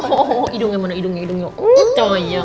aduh idungnya mana